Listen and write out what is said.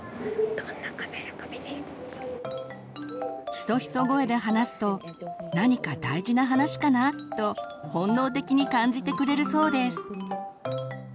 ヒソヒソ声で話すと「何か大事な話かな？」と本能的に感じてくれるそうです。